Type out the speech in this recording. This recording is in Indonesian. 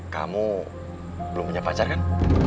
kamu belum punya pacar kan